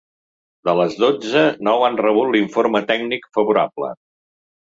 De les dotze, nou han rebut l’informe tècnic favorable.